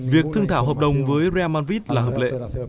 việc thương thảo hợp đồng với real mavit là hợp lệ